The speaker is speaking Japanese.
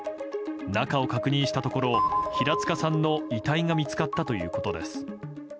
中を確認したところ平塚さんの遺体が見つかったということです。